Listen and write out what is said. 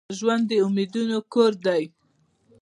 ژوند د امیدونو کور دي.